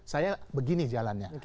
saya begini jalannya